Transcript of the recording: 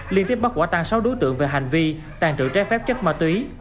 liên tiếp bắt quả tăng sáu đối tượng về hành vi tàn trự trái phép chất ma túy